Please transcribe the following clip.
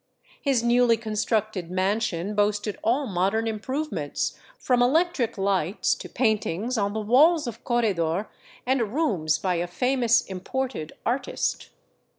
His newly constructed mansion boasted all mod ern improvements, from electric lights to paintings on the walls of corredor and rooms "by a famous imported artist."